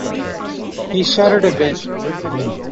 He shuddered a bit.